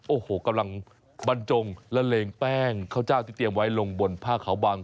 โอ้โหกำลังบรรจงและเลงแป้งข้าวเจ้าที่เตรียมไว้ลงบนผ้าเขาบัง